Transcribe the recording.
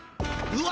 うわ！